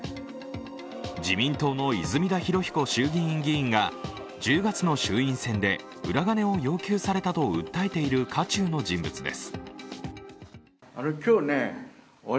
自民党の泉田裕彦衆議院議員が１０月の衆院選で裏金を要求されたと訴えている渦中の人物です。